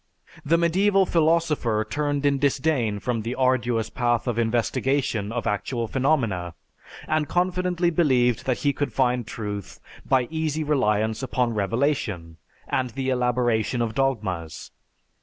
The medieval philosopher turned in disdain from the arduous path of investigation of actual phenomena and confidently believed that he could find truth by easy reliance upon revelation and the elaboration of dogmas.